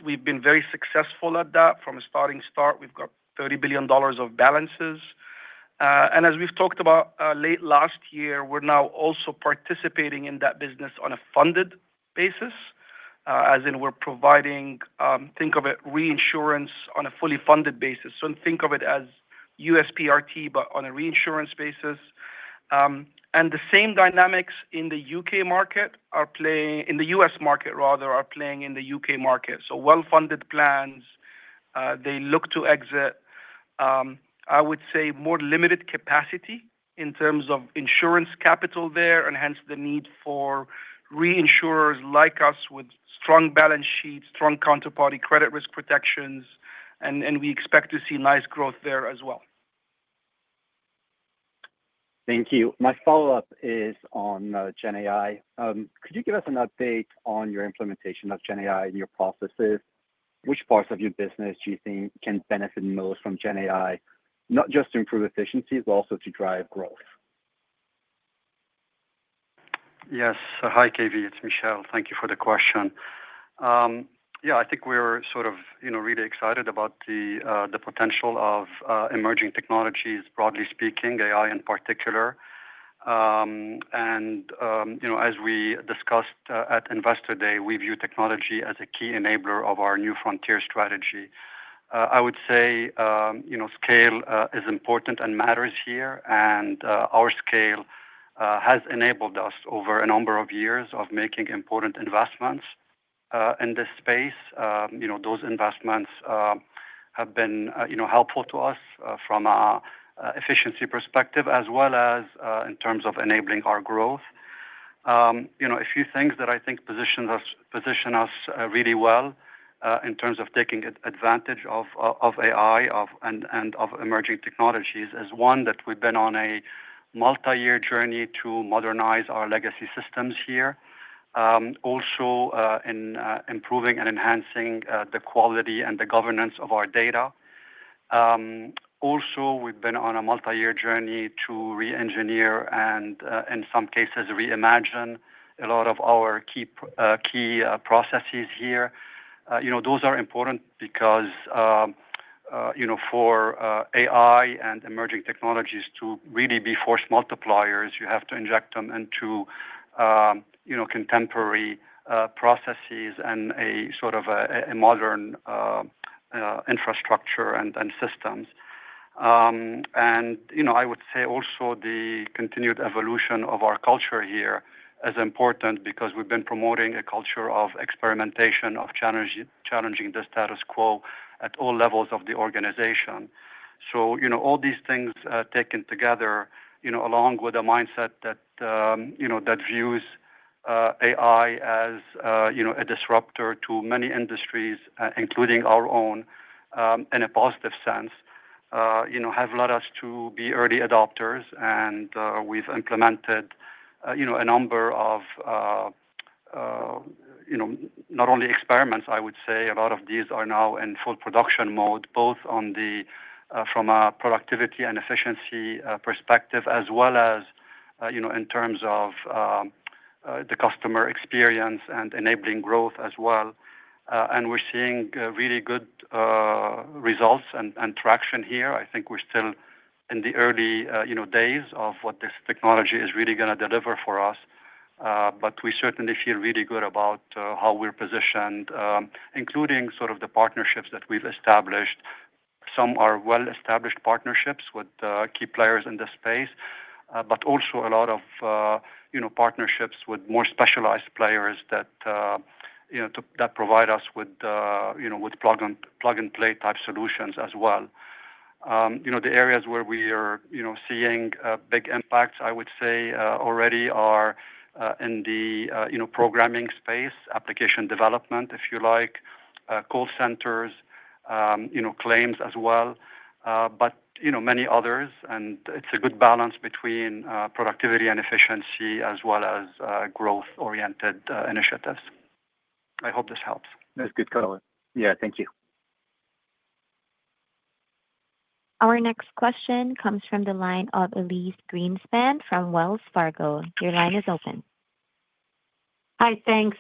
we've been very successful at that from the start. We've got $30 billion of balances and as we've talked about late last year, we're now also participating in that business on a funded basis, as in we're providing, think of it, reinsurance on a fully funded basis. Think of it as U.S. PRT but on a reinsurance basis. The same dynamics in the U.S. market are playing in the U.K. market. Well funded plans, they look to exit, I would say more limited capacity in terms of insurance capital there and hence the need for reinsurers like us with strong balance sheets, strong counterparty credit risk protections and we expect to see nice growth there as well. Thank you. My follow up is on gen AI. Could you give us an update on your implementation of gen AI and your processes? Which parts of your business do you think can benefit most from gen AI? Not just to improve efficiencies, but also to drive growth. Yes. Hi Cave, it's Michel. Thank you for the question. I think we're really excited about the potential of emerging technologies, broadly speaking, AI in particular. As we discussed at Investor Day, we view technology as a key enabler. Of our New Frontier strategy. I would say scale is important and matters here, and our scale has enabled us over a number of years of making important investments in this space. Those investments have been helpful to us from an efficiency perspective as well as in terms of enabling our growth. A few things that I think position us really well in terms of taking advantage of AI and of emerging technologies is, one, that we've been on a multi-year journey to modernize our legacy systems here. Also, in improving and enhancing the quality and the governance of our data. We've been on a multi-year journey to re-engineer and, in some cases, reimagine a lot of our key processes here. Those are important because, for AI and emerging technologies to. Really be force multipliers. You have to. Inject them into, you know, contemporary processes and a sort of a modern infrastructure and systems. I would say also the continued evolution of our culture here is important because we've been promoting a culture of experimentation, of challenging the status quo at all levels of the organization. All these things taken together, along with a mindset that views AI as a disruptor to many industries, including our own, in a positive sense. Have led us to be early adopters. We've implemented a number. Of. Not only experiments, I would say a lot of these are now in full production mode both from a productivity and efficiency perspective as well as in terms of the customer experience and enabling growth as well. We're seeing really good results and traction here. I think we're still in the early days of what this technology is really going to deliver for us, but we certainly feel really good about how we're positioned, including the partnerships that we've established. Some are well-established partnerships with key players in this space, but also a lot of partnerships with more specialized players that provide us with plug and play type solutions as well. The areas where we are seeing big impacts I would say already are in the programming space, application development if you like, call centers, claims as well, but many others. It's a good balance between productivity and efficiency as well as growth oriented initiatives. I hope this helps. That's good color. Thank you. Our next question comes from the line of Elyse Greenspan from Wells Fargo. Your line is open. Hi. Thanks.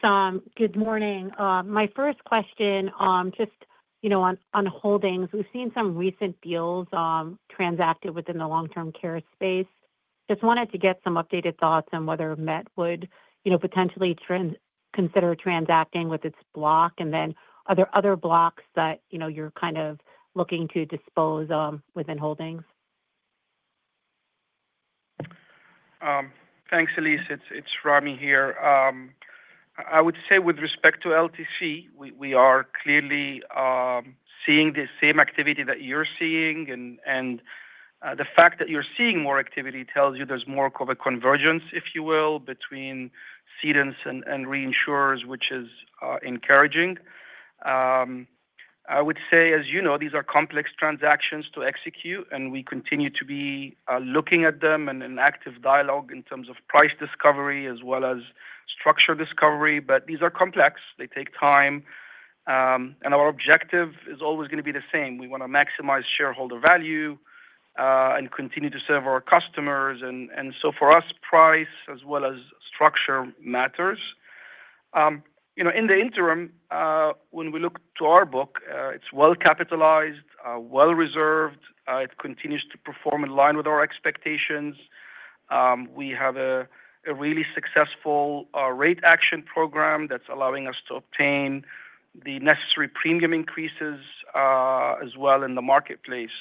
Good morning. My first question just on holdings, we've seen some recent deals transacted within the long term care space. Just wanted to get some updated thoughts on whether Met would potentially consider transacting with its block and then other blocks that you're kind of looking to dispose within holdings. Thanks, Elyse. It's Ramy here. I would say with respect to LTC, we are clearly seeing the same activity that you're seeing. The fact that you're seeing more activity tells you there's more of a convergence, if you will, between and reinsurers, which is encouraging, I would say. As you know, these are complex transactions to execute and we continue to be looking at them and an active dialogue in terms of price discovery as well as structure discovery. These are complex, they take time. Our objective is always going to be the same. We want to maximize shareholder value and continue to serve our customers. For us, price as well as structure matters. You know, in the interim, when we look to our book, it's well capitalized, well reserved, it continues to perform in line with our expectations. We have a really successful rate action program that's allowing us to obtain the necessary premium increases as well in the marketplace.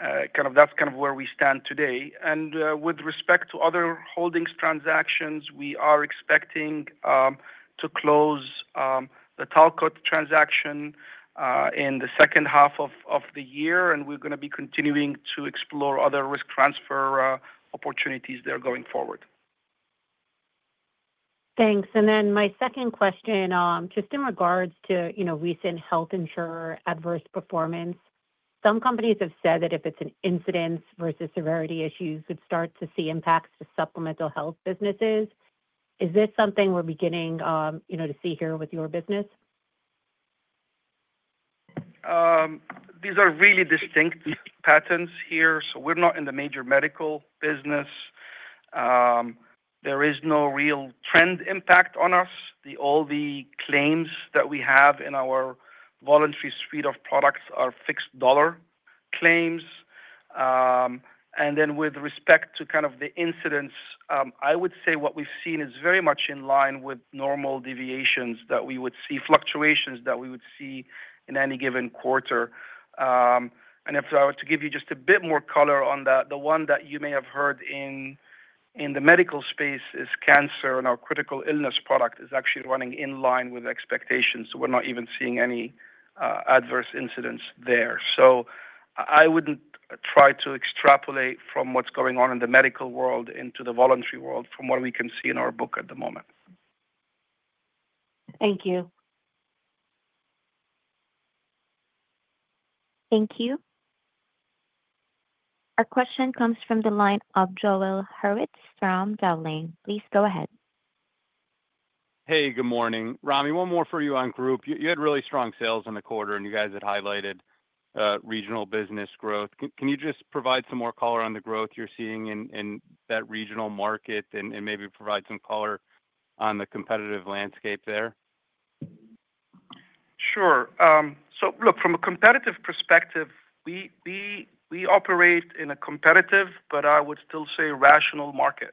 That's kind of where we stand today. With respect to other holdings transactions, we are expecting to close the Talcott transaction in the second half of the year and we're going to be continuing to explore other risk transfer opportunities there going forward. Thanks. My second question, just in regards to recent health insurer adverse performance, some companies have said that if it's an incidence versus severity issue, could start to see impacts to supplemental health businesses. Is this something we're beginning to see here with your business? These are really distinct patterns here. We're not in the major medical business. There is no real trend impact on us. All the claims that we have in our voluntary suite of products are fixed dollar claims. With respect to kind of the incidence, I would say what we've seen is very much in line with normal deviations that we would see, fluctuations that we would see in any given quarter. If I were to give you just a bit more color on that, the one that you may have heard in the medical space is cancer. Our critical illness product is actually running in line with expectations. We're not even seeing any adverse incidents there. I wouldn't try to extrapolate from what's going on in the medical world into the voluntary world from what we can see in our book at the moment. Thank you. Thank you. Our question comes from the line of Joel Hurwitz from Dowling. Please go ahead. Hey, good morning, Ramy. One more for you. On group. You had really strong sales in the. Quarter and you guys had highlighted regional business growth. Can you just provide some more color on the growth you're seeing in that regional market and maybe provide some color on the competitive landscape there? Sure. From a competitive perspective, we operate in a competitive, but I would still say rational market,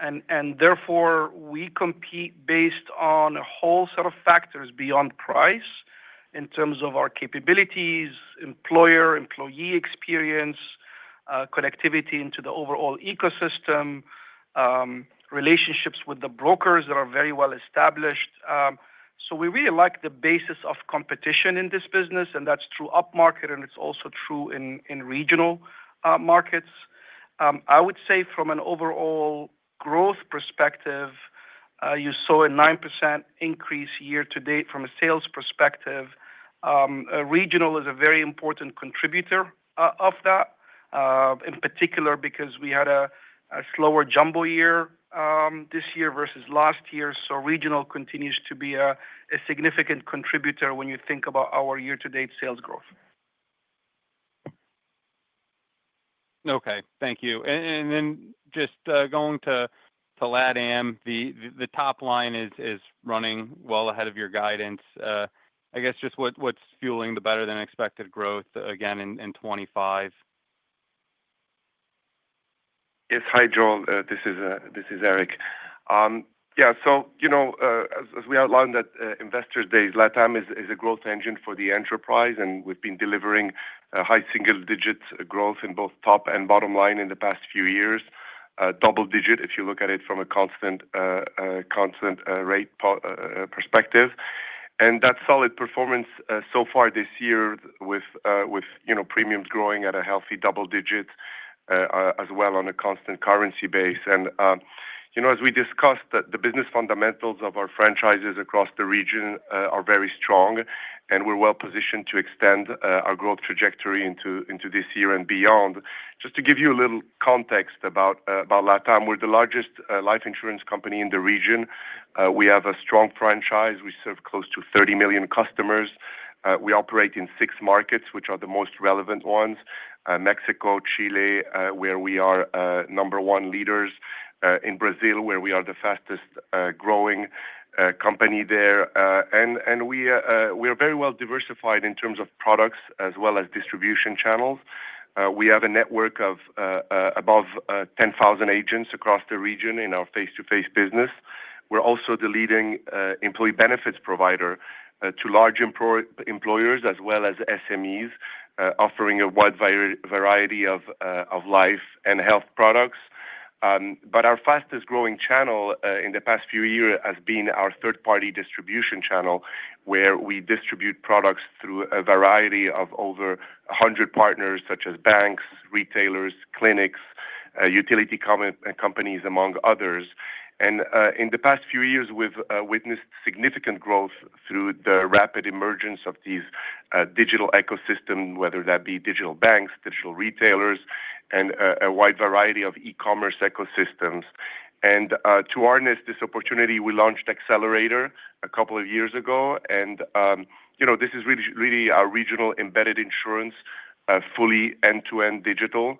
and therefore we compete based on a whole set of factors beyond price in terms of our capabilities, employer employee experience, connectivity into the overall ecosystem, relationships with the brokers that are very well established. We really like the basis of competition in this business, and that's true upmarket and it's also true in regional markets. I would say from an overall growth perspective, you saw a 9% increase year to date. From a sales perspective, regional is a very important contributor of that in particular because we had a slower jumbo year this year versus last year. Regional continues to be a significant contributor when you think about our year to date sales growth. Okay, thank you. Going to LATAM, the top line is running well ahead of your guidance. I guess just what's fueling the better than expected growth again in 2025. Yes. Hi Joel, this is Eric. Yeah, as we outlined at Investors Day, LATAM is a growth engine for the enterprise and we've been delivering high single-digit growth in both top and bottom line in the past few years. Double-digit, if you look at it from a constant rate perspective, and that solid performance so far this year with premiums growing at a healthy double-digit as well on a constant currency base. As we discussed, the business fundamentals of our franchises across the region are very strong and we're well positioned to extend our growth trajectory into this year. Just to give you a little context about LATAM, we're the largest life insurance company in the region. We have a strong franchise. We serve close to 30 million customers. We operate in six markets, which are the most relevant ones: Mexico, Chile, where we are number one leaders, and Brazil, where we are the fastest growing company there. We are very well diversified in terms of products as well as distribution channels. We have a network of above 10,000 agents across the region in our face-to-face business. We're also the leading employee benefits provider to large employers as well as SMEs, offering a wide variety of life and health products. Our fastest growing channel in the past few years has been our third-party distribution channel, where we distribute products through a variety of over 100 partners such as banks, retailers, clinics, utility companies, among others. In the past few years we've witnessed significant growth through the rapid emergence of these digital ecosystems, whether that be digital banks, digital retailers, and a wide variety of e-commerce ecosystems. To harness this opportunity, we launched Accelerator a couple of years ago. This is really our regional embedded insurance, fully end-to-end digital,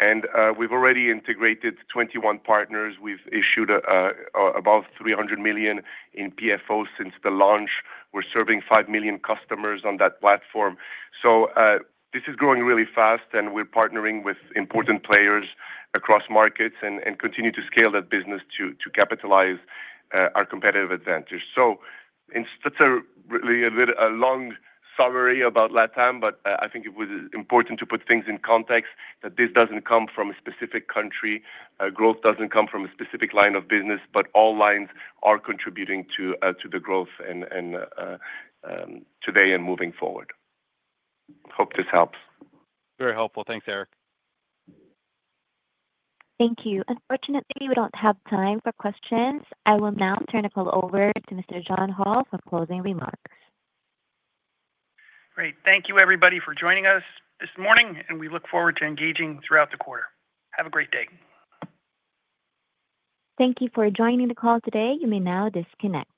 and we've already integrated 21 partners. We've issued about $300 million in PFO since the launch. We're serving 5 million customers on that platform. This is growing really fast and we're partnering with important players across markets and continue to scale that business to capitalize on our competitive advantage. That's a long summary about LATAM, but I think it was important to put things in context that this doesn't come from a specific country, growth doesn't come from a specific line of business. All lines are contributing to the growth today and moving forward. Hope this helps. Very helpful. Thanks Eric. Thank you. Unfortunately, we don't have time for questions. I will now turn the call over to Mr. John Hall for closing remarks. Thank you everybody for joining us this morning, and we look forward to engaging throughout the quarter. Have a great day. Thank you for joining the call today. You may now disconnect.